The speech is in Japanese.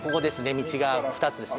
道が２つですね。